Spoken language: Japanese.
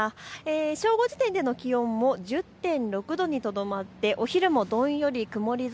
正午時点での気温も１０．６度にとどまって、お昼もどんより曇り空。